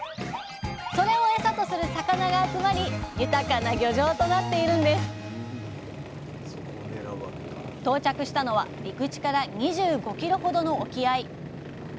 それをエサとする魚が集まり豊かな漁場となっているんです到着したのは陸地から２５ｋｍほどの沖合。